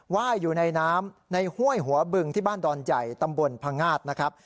ว่ายอยู่ในน้ำในห้วยหัวบึงที่บ้านดอนใหญ่ตำบลพงาดนะครับ